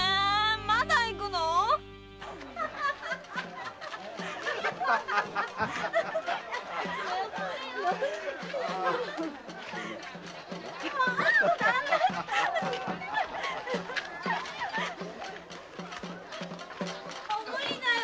まだ行くの⁉無理だよ